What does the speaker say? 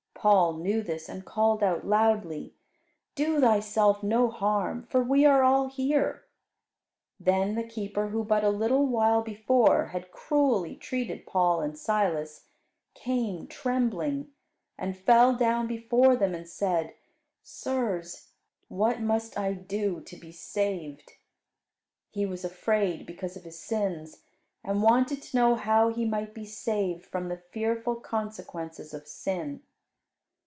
Paul knew this, and called out loudly, "Do thyself no harm, for we are all here." Then the keeper, who but a little while before had cruelly treated Paul and Silas, came trembling, and fell down before them, and said, "Sirs, what must I do to be saved?" He was afraid because of his sins; and wanted to know how he might be saved from the fearful consequences of sin.